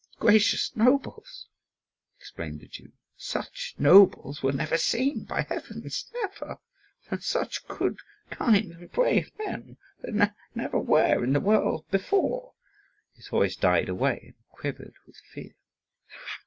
"Gracious nobles," exclaimed the Jew, "such nobles were never seen, by heavens, never! Such good, kind, and brave men there never were in the world before!" His voice died away and quivered with fear.